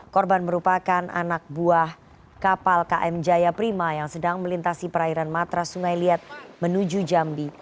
korban merupakan anak buah kapal km jaya prima yang sedang melintasi perairan matra sungai liat menuju jambi